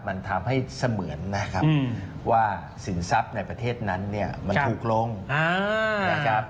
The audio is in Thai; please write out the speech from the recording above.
มันทำให้เสมือนนะครับว่าสินทรัพย์ในประเทศนั้นเนี่ยมันถูกลงนะครับ